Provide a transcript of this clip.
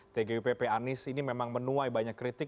tgupp anies ini memang menuai banyak kritik